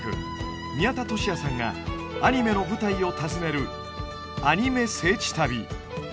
宮田俊哉さんがアニメの舞台を訪ねる「アニメ聖地旅」。